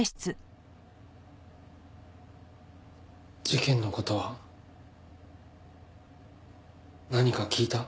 事件の事は何か聞いた？